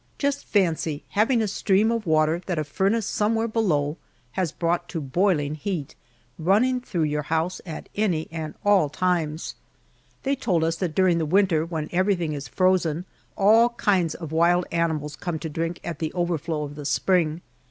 Just fancy having a stream of water that a furnace somewhere below has brought to boiling heat, running through your house at any and all times. They told us that during the winter when everything is frozen, all kinds of wild animals come to drink at the overflow of the spring.